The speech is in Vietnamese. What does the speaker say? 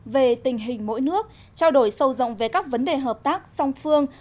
về tình hình mỗi nước trao đổi sâu rộng về các vấn đề hợp tác song phương